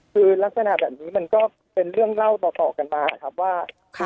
คือลักษณะแบบนี้มันก็เป็นเรื่องเล่าต่อกันมาครับว่า